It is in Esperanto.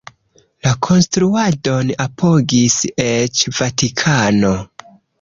La konstruadon apogis eĉ Vatikano.